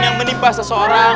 yang menimpa seseorang